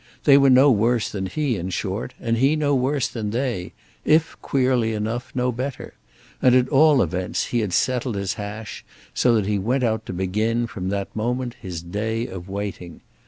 They were no worse than he, in short, and he no worse than they—if, queerly enough, no better; and at all events he had settled his hash, so that he went out to begin, from that moment, his day of waiting.